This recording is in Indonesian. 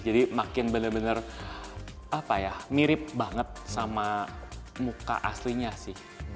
jadi makin benar benar mirip banget sama muka aslinya sih